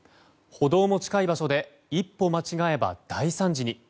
歩道も近い場所で一歩間違えれば大惨事に。